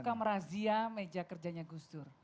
kita suka merazia meja kerjanya gus dur